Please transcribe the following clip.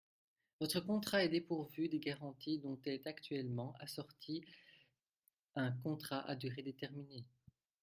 Votre contrat est dépourvu des garanties dont est actuellement assorti un contrat à durée déterminée.